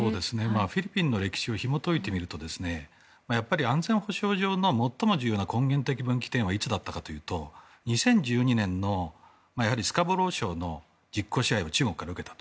フィリピンの歴史をひも解いてみるとやっぱり安全保障上の最も重要な根源的分岐点はいつだったかというと２０１２年、スカボロー礁の実効支配を中国から受けた。